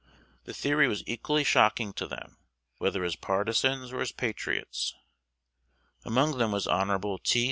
The theory was equally shocking to them, whether as partisans or as patriots. Among them was Hon. T.